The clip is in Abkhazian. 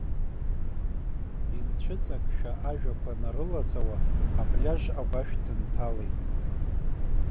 Инцәыҵакшәа ажәақәа нарылаҵауа аплиаж агәашә дынҭалеит.